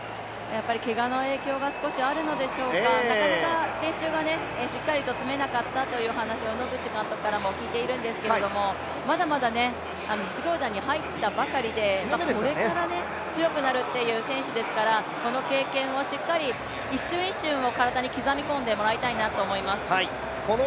けがの影響が少しあるのでしょうか、なかなか練習がしっかり積めなかったという話を野口監督からも聞いているんですけど、まだまだ実業団に入ったばかりでこれから強くなるという選手ですから、この経験をしっかり、一瞬一瞬を体に刻み込んでもらいたいなと思います。